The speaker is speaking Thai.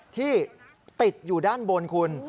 ที่ติดอยู่ด้านบนคุณ